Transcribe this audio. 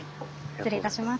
失礼いたします。